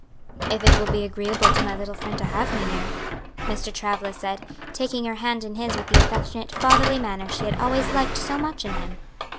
"If it will be agreeable to my little friend to have me here?" Mr. Travilla said, taking her hand in his with the affectionate, fatherly manner she had always liked so much in him.